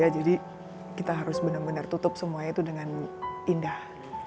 jadi kita harus benar benar tutup semuanya itu dengan indah